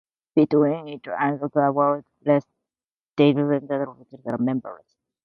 Between it and the retina is the vitreous membrane.